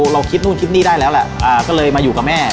เราคิดนู่นคิดนี่ได้แล้วแหละก็เลยมาอยู่กับแม่